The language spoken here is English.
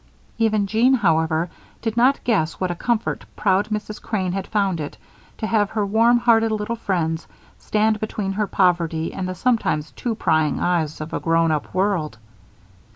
Even Jean, however, did not guess what a comfort proud Mrs. Crane had found it to have her warm hearted little friends stand between her poverty and the sometimes too prying eyes of a grown up world.